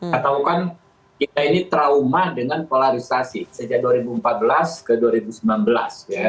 katakan kita ini trauma dengan polarisasi sejak dua ribu empat belas ke dua ribu sembilan belas ya